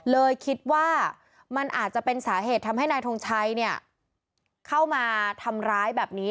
เลยคิดว่ามันอาจจะเป็นสาเหตุทำให้นายทงชัยเข้ามาทำร้ายแบบนี้